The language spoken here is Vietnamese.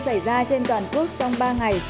xảy ra trên toàn quốc trong ba ngày